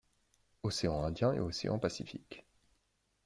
Océan Indien et océan Pacifique.